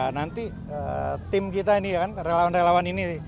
nanti tim kita ini ya kan relawan relawan ini